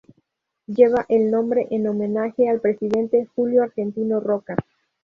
Lleva el nombre en homenaje al Presidente Julio Argentino Roca.